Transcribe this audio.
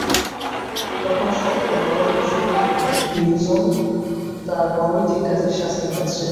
তখন সকলে বলাবলি শুরু করল লিজন তার অনৈতিক কাজের শাস্তি পাচ্ছে।